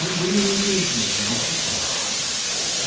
遊園地のマスコットの。